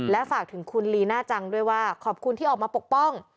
และฝากถึงคุณลีน่าจังด้วยว่าขอบคุณที่ออกมาปกป้อง